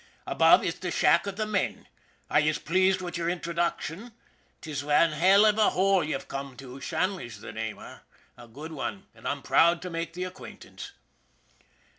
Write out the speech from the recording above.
Above is the shack av the men. Are yez plased wid yer in troduction? 'Tis wan hell av a hole ye've come to. Shanley's the name, eh ? A good wan, an' I'm proud to make the acquaintance."